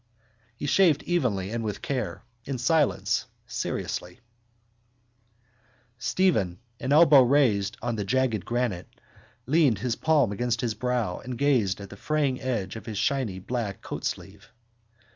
He shaved evenly and with care, in silence, seriously. Stephen, an elbow rested on the jagged granite, leaned his palm against his brow and gazed at the fraying edge of his shiny black coat sleeve.